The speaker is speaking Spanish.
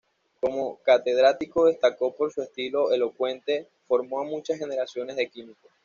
Como catedrático destacó por su estilo elocuente, formó a muchas generaciones de químicos.